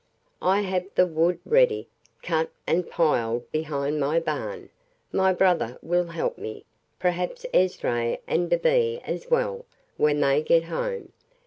I have the wood ready, cut and piled behind my barn; my brother will help me, perhaps Esdras and Da'Be as well, when they get home.